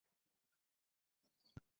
Yeah, চলে আয়!